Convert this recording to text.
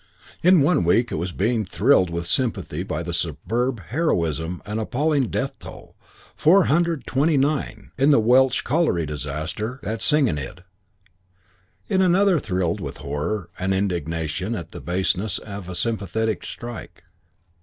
In one week it was being thrilled with sympathy by the superb heroism and the appalling death roll, four hundred twenty nine, in the Welsh colliery disaster at Senghenydd; in another thrilled with horror and indignation at the baseness of a sympathetic strike.